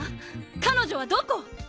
彼女はどこ？